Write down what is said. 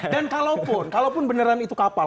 dan kalau pun kalau pun beneran itu kapal